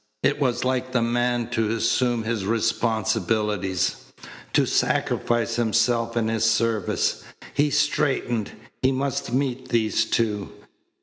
It was like the man to assume his responsibilities, to sacrifice himself in his service. He straightened. He must meet these two.